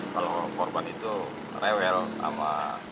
kalau korban itu rewel sama